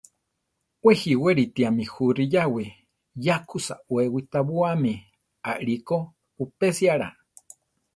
Wé jiwéritiame jú riyáwi, ya kú sawé witabóame arikó upésiala.